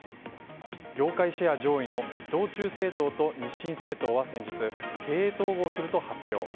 業界シェア上位の伊藤忠製糖と日新製糖は先日経営統合すると発表。